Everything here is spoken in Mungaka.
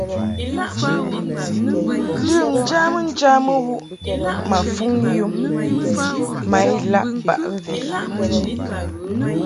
Lɨm njamɨŋjamɨ wuʼ ma fuŋ yum ma ilaʼ baʼ mvi.